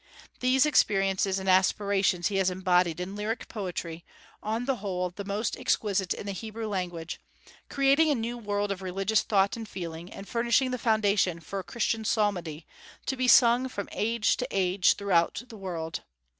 These experiences and aspirations he has embodied in lyric poetry, on the whole the most exquisite in the Hebrew language, creating a new world of religious thought and feeling, and furnishing the foundation for Christian psalmody, to be sung from age to age throughout the world.